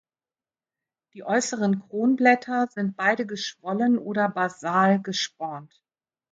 Die äußeren Kronblätter sind beide geschwollen oder basal gespornt.